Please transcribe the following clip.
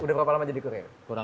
sudah berapa lama jadi kurir